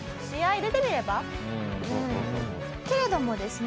けれどもですね